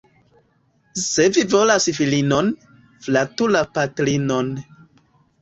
Se vi volas filinon, flatu la patrinon.